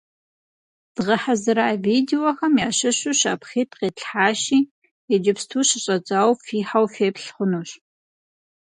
Дгъэхьэзыра видеохэм ящыщу щапхъитӀ къитлъхьащи, иджыпсту щыщӀэдзауэ фихьэу феплъ хъунущ.